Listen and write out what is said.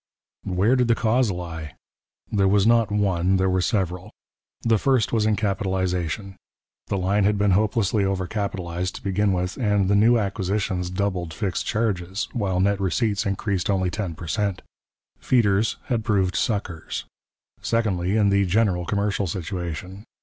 Where did the cause lie? There was not one; there were several. The first was in capitalization. The line had been hopelessly over capitalized to begin with, and the new acquisitions doubled fixed charges, while net receipts increased only ten per cent; feeders had proved suckers. Secondly, in the general commercial situation.